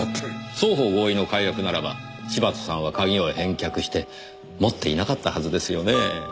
双方合意の解約ならば柴田さんは鍵を返却して持っていなかったはずですよね。